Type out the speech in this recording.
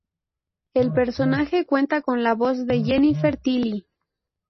El personaje cuenta con la voz de Jennifer Tilly.